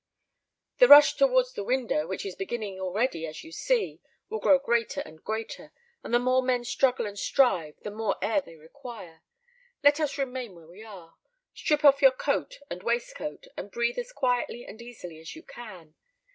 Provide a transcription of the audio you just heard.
"The rush towards the window, which is beginning already as you see, will grow greater and greater; and the more men struggle and strive, the more air they require. Let us remain where we are. Strip off your coat and waistcoat, and breathe as quietly and easily as you can.